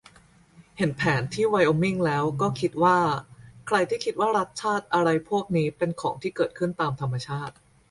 เห็นแผนที่ไวโอมิงแล้วก็คิดว่า ใครที่คิดว่ารัฐชาติอะไรพวกนี้เป็นของที่เกิดขึ้นตามธรรมชาติ